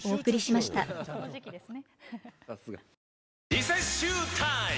リセッシュータイム！